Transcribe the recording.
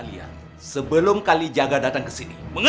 kita semua sudah melakukan apa yang ki bendu minta